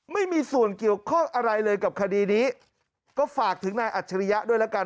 ไม่มีส่วนเกี่ยวข้องอะไรเลยกับคดีนี้ก็ฝากถึงนายอัจฉริยะด้วยแล้วกัน